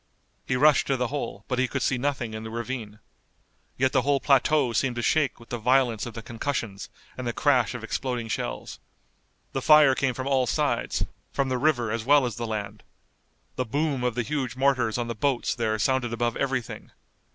He rushed to the hole, but he could see nothing in the ravine. Yet the whole plateau seemed to shake with the violence of the concussions and the crash of exploding shells. The fire came from all sides, from the river as well as the land. The boom of the huge mortars on the boats there sounded above everything.